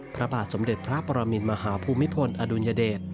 พระบาทสมเด็จพระปรมินมหาภูมิพลอดุลยเดช